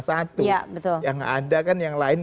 satu iya betul yang ada kan yang lain